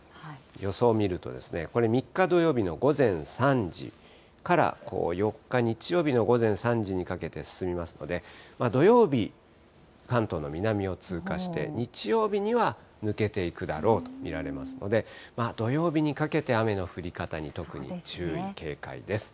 予想見ると、これ３日土曜日の午前３時から４日日曜日の午前３時にかけて進みますので、土曜日、関東の南を通過して、日曜日には抜けていくだろうと見られますので、土曜日にかけて雨の降り方に特に注意、警戒です。